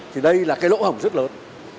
thì đây là cái lỗ hổng rất lớn